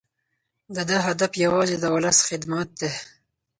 د ده هدف یوازې د ولس خدمت دی.